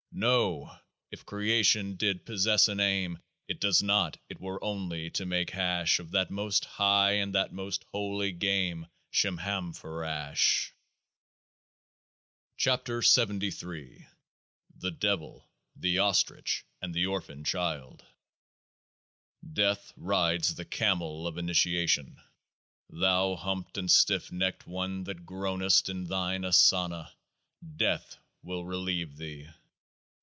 No ! if creation did possess an aim (It does not.) it were only to make hash Of that most " high " and that most holy game, Shemhamphorash ! 89 KEOAAH Or THE DEVIL, THE OSTRICH, AND THE ORPHAN CHILD Death rides the Camel of Initiation. 36 Thou humped and stiff necked one that groanest in Thine Asana, death will relieve thee